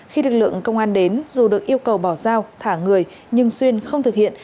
khi lực lượng công an đến dù được yêu cầu bỏ giao thả người nhưng xuyên không thực hiện